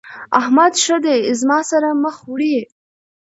احمد ښه دی زما سره مخ وړي.